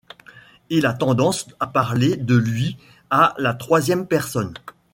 Il a tendance à parler de lui à la troisième personne.